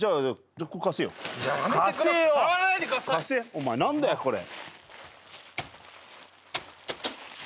お前何だよこれ？